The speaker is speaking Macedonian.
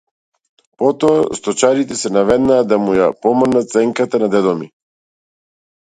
Потоа сточарите се наведнаа да му ја помрднат сенката на дедо ми.